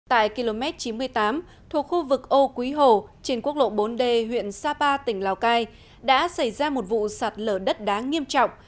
tại km chín mươi tám thuộc khu vực âu quý hồ trên quốc lộ bốn d huyện sapa tỉnh lào cai đã xảy ra một vụ sạt lở đất đá nghiêm trọng